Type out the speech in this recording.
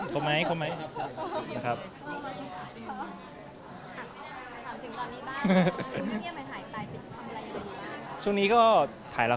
ครบแล้วเนอะครบไหมครบไหมนะครับ